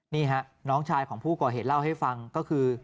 นี่ฮะน้องชายของผู้ก่อเหตุเล่าให้ฟังก็คือ